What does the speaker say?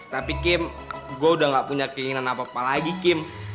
tapi kim gue udah gak punya keinginan apa apa lagi kim